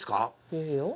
いいよ。